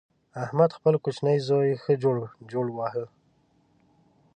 احمد خپل کوچنۍ زوی ښه جوړ جوړ وواهه.